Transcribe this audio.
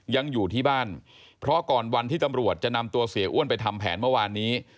ยังอยู่ที่บ้านเพราะก่อนวันที่ตำรวจจะนำตัวเสียอ้วนไปทำแผนเมื่อวานนี้